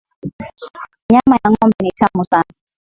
Nyama ya ng'ombe ni tamu sana